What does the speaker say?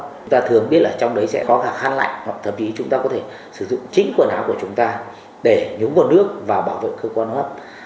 chúng ta thường biết là trong đấy sẽ có cả khăn lạnh hoặc thậm chí chúng ta có thể sử dụng chính quần áo của chúng ta để nhúng nguồn nước vào bảo vệ cơ quan hấp